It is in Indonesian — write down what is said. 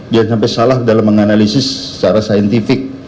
dan sampai salah dalam menganalisis secara saintifik